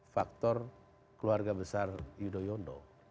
faktor keluarga besar yudhoyono